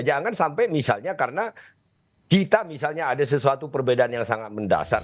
jangan sampai misalnya karena kita misalnya ada sesuatu perbedaan yang sangat mendasar